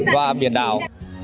và biển đảo